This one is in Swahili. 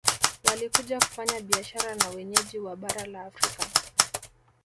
Walikuja kufanya biashara na wenyeji wa bara la Afrika